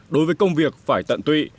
đối với công việc phải tận tụy